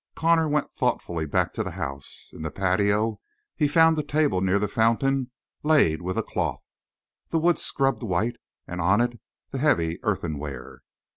Connor went thoughtfully back to the house. In the patio he found the table near the fountain laid with a cloth, the wood scrubbed white, and on it the heavy earthenware.